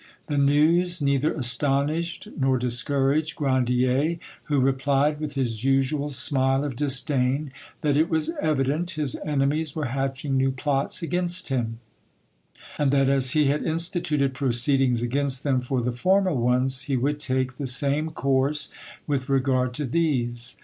The news neither astonished nor discouraged Grandier, who replied, with his usual smile of disdain, that it was evident his enemies were hatching new plots against him, and that as he had instituted proceedings against them for the former ones, he would take the same course with regard to these.